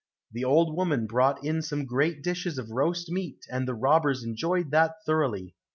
The old woman brought in some great dishes of roast meat, and the robbers enjoyed that thoroughly.